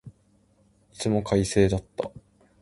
いつも快晴だった。